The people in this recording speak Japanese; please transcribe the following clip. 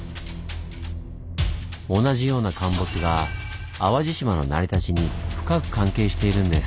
同じような陥没が淡路島の成り立ちに深く関係しているんです。